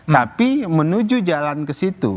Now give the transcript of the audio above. tapi menuju jalan kesitu